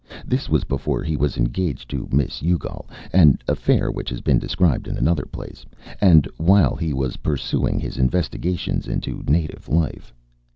This was before he was engaged to Miss Youghal an affair which has been described in another place and while he was pursuing his investigations into native life.